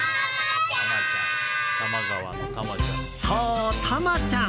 そう、タマちゃん。